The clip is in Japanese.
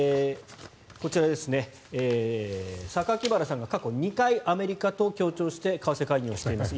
こちら、榊原さんが過去２回アメリカと協調して為替介入をしています。